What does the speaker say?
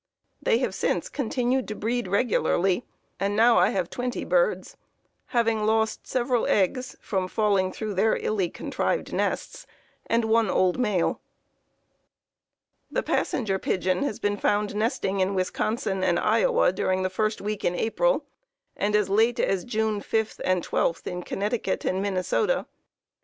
They have since continued to breed regularly, and now I have twenty birds, having lost several eggs from falling through their illy contrived nests and one old male." The Passenger Pigeon has been found nesting in Wisconsin and Iowa during the first week in April, and as late as June 5 and 12 in Connecticut and Minnesota.